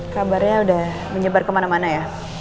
kabarnya sudah menyebar kemana mana ya